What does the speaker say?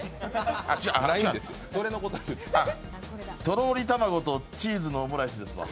とろり卵とチーズのオムライスですわ。